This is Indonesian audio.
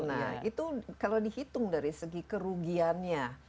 nah itu kalau dihitung dari segi kerugiannya